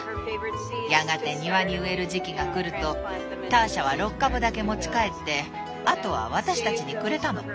やがて庭に植える時期がくるとターシャは６株だけ持ち帰ってあとは私たちにくれたの。